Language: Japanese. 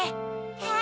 はい。